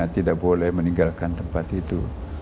tidak boleh meninggalkan tempat itu